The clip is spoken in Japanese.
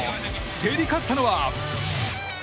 競り勝ったのは。